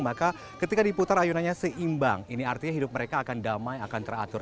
maka ketika diputar ayunannya seimbang ini artinya hidup mereka akan damai akan teratur